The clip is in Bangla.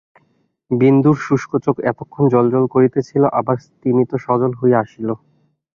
বিন্দুর শুষ্ক চোখ এতক্ষণ জ্বলজ্বল করিতেছিল, আবার স্তিমিত সজল হইয়া আসিল।